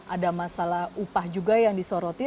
ada masalah upah juga yang disoroti